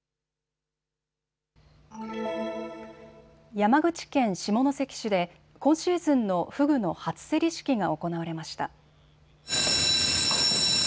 山口県下関市で今シーズンのフグの初競り式が行われました。